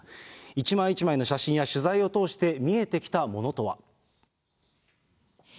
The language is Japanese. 一枚一枚の写真や取材を通して見えてきたものとは。